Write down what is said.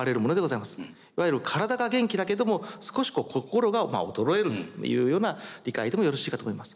いわゆる体が元気だけども少し心が衰えるというような理解でもよろしいかと思います。